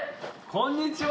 こんにちは。